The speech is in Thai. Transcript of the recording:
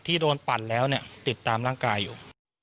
ที่โดนปั่นแล้วเนี่ยติดตามร่างกายอยู่